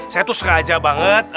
saya tuh seraja banget